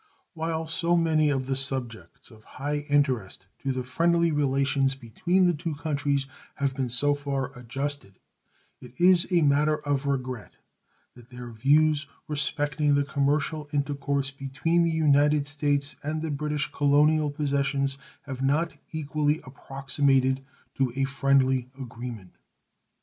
While so many of the subjects of high interest to the friendly relations between the two countries have been so far adjusted, it is a matter of regret that their views respecting the commercial intercourse between the United States and the British colonial possessions have not equally approximated to a friendly agreement.